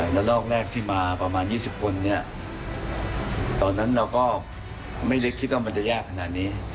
แล้วลอกแรกที่มาประมาณ๒๐คนเนี่ยตอนนั้นเราก็ไม่นึกคิดว่ามันจะยากขนาดนี้